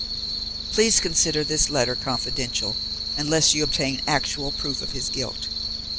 "Please consider this letter confidential unless you obtain actual proof of his guilt.